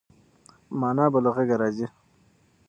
مانا به له غږه راځي.